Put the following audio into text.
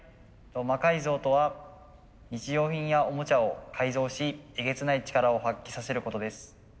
魔改造とは日用品やオモチャを改造しえげつない力を発揮させることです。